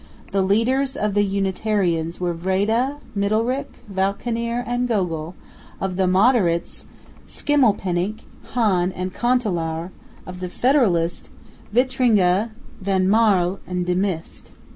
The leaders of the unitarians were Vreede, Midderigh, Valckenier and Gogel; of the moderates Schimmelpenninck, Hahn and Kantelaur; of the federalists, Vitringa, Van Marle and De Mist.